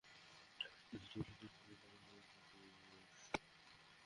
নাসি, তুই ক্ষেতে ওষুধ ছিটিয়েছিস?